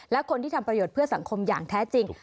และคนที่ทำประโยชน์เพื่อสังคมอย่างแท้จริง